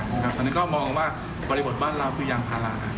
เพราะฉะนั้นก็มองว่าผลิปภาพบ้านเราถือยางภาระ